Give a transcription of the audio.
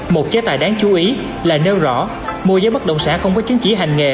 một chế tài đáng chú ý là nêu rõ mua giới bất động sản không có chứng chỉ hành nghề